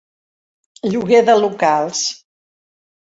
Lloguer de locals.